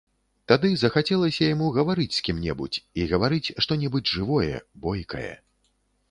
Тады захацелася яму гаварыць з кім-небудзь і гаварыць што-небудзь жывое, бойкае.